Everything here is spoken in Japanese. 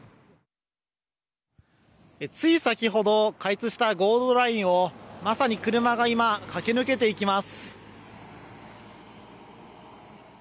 つい先ほど開通したゴールドラインをまさに車が今駆け抜けていきます。